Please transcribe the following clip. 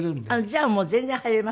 じゃあもう全然入れますよ。